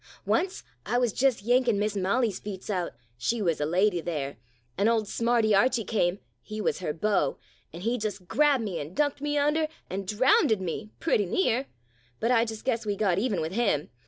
Onct I wuz just yankin' Miss Molly's feets out — she wuz a lady there — an' old smarty Archie came out — he wuz her beau — an' he just grabbed me an' ducked me under, an' drownded me — pretty near. But I just guess we got even with him.